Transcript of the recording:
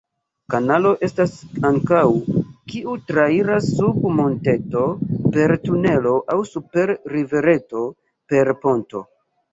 Kanalo estas ankaŭ, kiu trairas sub monteto per tunelo aŭ super rivereto per ponto.